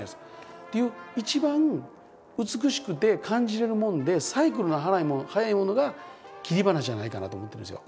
っていう一番美しくて感じれるものでサイクルの早いものが切り花じゃないかなと思ってるんですよ。